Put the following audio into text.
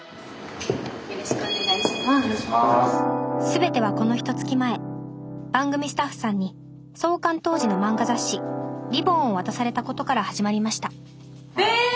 全てはこのひとつき前番組スタッフさんに創刊当時の漫画雑誌「りぼん」を渡されたことから始まりましたえ！